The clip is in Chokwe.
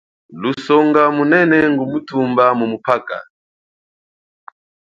Lusonga munene ngumuthumba mumuphaka.